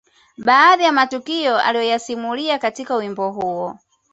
Baadhi ya matukio aliyoyasimulia katika wimbo huo